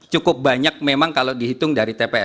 cukup banyak memang kalau dihitungnya